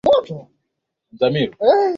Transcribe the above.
kuanzia mwaka elfu moja mia tisa sabini na moja